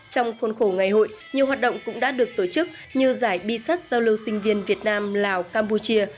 trong khuôn khổ ngày hội nhiều hoạt động cũng đã được tổ chức như giải bi sắt giao lưu sinh viên việt nam lào campuchia